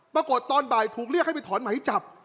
ตอนบ่ายถูกเรียกให้ไปถอนไหมจับ